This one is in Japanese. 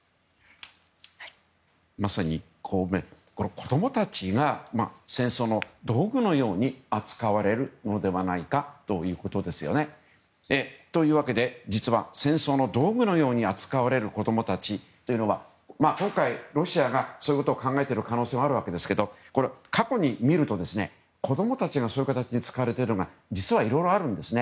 まさに子供たちが戦争の道具のように扱われるものではないかということですよね。というわけで、実は戦争の道具に扱われる子供たちというのは今回、ロシアがそういうことを考えている可能性もあるわけですけども過去に見ると子供たちが戦争に使われているというのは実はいろいろあるんですね。